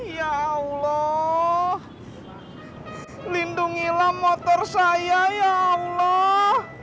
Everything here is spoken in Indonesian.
ya allah lindungilah motor saya ya allah